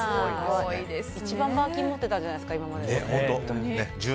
一番バーキン持ってたんじゃないですか、今までで。